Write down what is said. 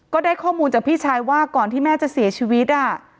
ก็ได้ข้อมูลจากพี่ชายว่าก่อนที่แม่จะเสียชีวิต